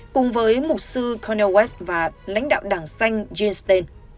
cùng với mục sư cornel west và lãnh đạo đảng xanh gene sten